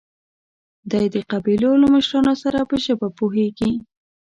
دی د قبيلو له مشرانو سره په ژبه پوهېږي.